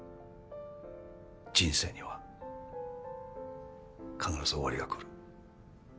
人生には必ず終わりがくる。